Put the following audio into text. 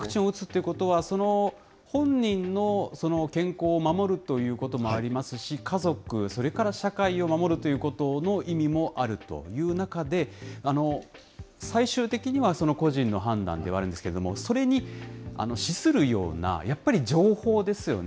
ワクチンを打つっていうことは、その本人の健康を守るということもありますし、家族、それから社会を守るということの意味もあるという中で、最終的には個人の判断ではあるんですけれども、それに資するような、やっぱり情報ですよね。